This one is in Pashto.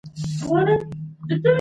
هغه خنډونه چي مخکي وو اوس نسته.